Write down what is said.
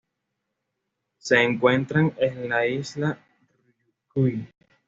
Se encuentran en las Islas Ryukyu.